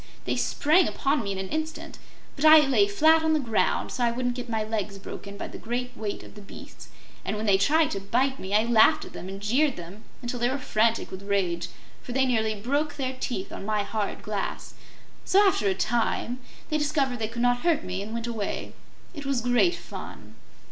They sprang upon me in an instant; but I lay flat on the ground, so I wouldn't get my legs broken by the great weight of the beasts, and when they tried to bite me I laughed at them and jeered them until they were frantic with rage, for they nearly broke their teeth on my hard glass. So, after a time, they discovered they could not hurt me, and went away. It was great fun."